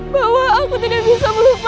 bahwa aku tidak bisa melupakan